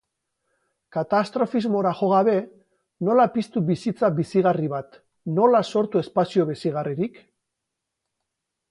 Katastrofismora jo gabe, nola piztu bizitza bizigarri bat, nola sortu espazio bizigarririk?